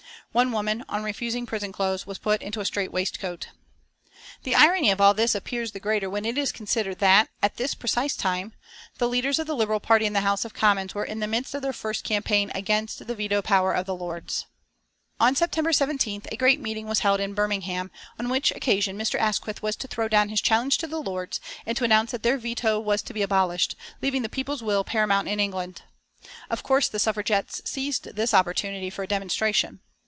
One woman on refusing prison clothes was put into a straightwaistcoat. The irony of all this appears the greater when it is considered that, at this precise time, the leaders of the Liberal Party in the House of Commons were in the midst of their first campaign against the veto power of the Lords. On September 17th a great meeting was held in Birmingham, on which occasion Mr. Asquith was to throw down his challenge to the Lords, and to announce that their veto was to be abolished, leaving the people's will paramount in England. Of course the Suffragettes seized this opportunity for a demonstration.